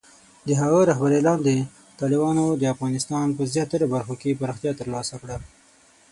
د هغه رهبرۍ لاندې، طالبانو د افغانستان په زیاتره برخو کې پراختیا ترلاسه کړه.